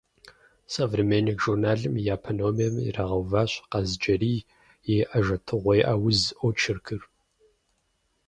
«Современник» журналым и япэ номерым ирагъэуващ Къаз-Джэрий и «Ажэтыгъуей ауз» очеркыр.